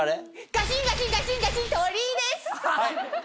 ガシンガシンガシンガシン鳥居です！